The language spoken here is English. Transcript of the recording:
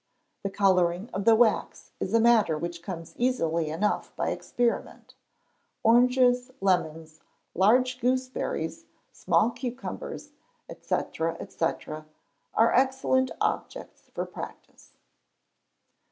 The colouring of the wax is a matter which comes easily enough by experiment. Oranges, lemons, large gooseberries, small cucumbers, &c.,&c., are excellent objects for practice.